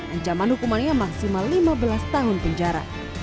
ancaman hukumannya maksimal lima belas tahun penjara